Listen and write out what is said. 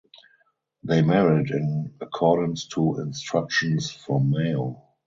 They married in accordance to instructions from Mao.